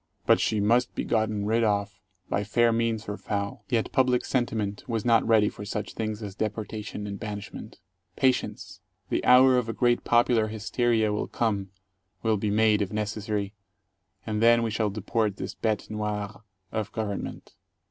But she must be gotten rid of, by fair means or foul. Yet public sentiment was not ready for such things as deportation and banishment. Patience! The hour of a great popular hysteria will come, will be made, if necessary, and then we shall deport this bete noir of government.